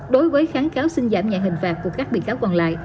đối với kháng cáo xin giảm nhẹ hình phạt của các bị cáo còn lại